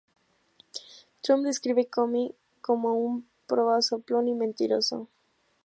Trump describió Comey como un "probado soplón y mentiroso.